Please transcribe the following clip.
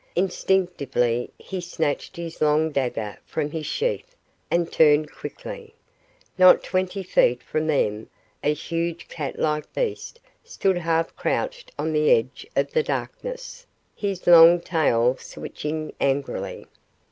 Instinctively, he snatched his long dagger from its sheath and turned quickly. Not twenty feet from them a huge cat like beast stood half crouched on the edge of the darkness, his long tail switching angrily.